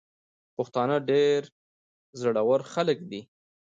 پښتانه ډير زړه ور خلګ دي.